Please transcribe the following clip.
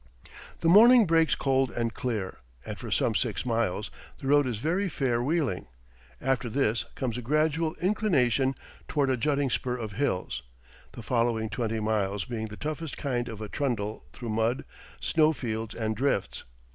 The morning breaks cold and clear, and for some six miles the road is very fair wheeling; after this comes a gradual inclination toward a jutting spur of hills; the following twenty miles being the toughest kind of a trundle through mud, snow fields, and drifts.